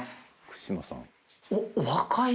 九島さん）